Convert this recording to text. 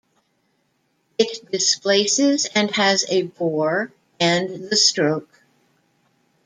It displaces and has a bore and the stroke.